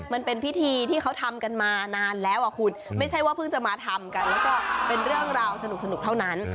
มันเป็นพิธีที่เขาทำกันมานานแล้วอ่ะคุณไม่ใช่ว่าเพิ่งจะมาทำกันแล้วก็เป็นเรื่องราวสนุกเท่านั้น